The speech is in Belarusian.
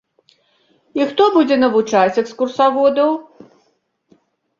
І хто будзе навучаць экскурсаводаў?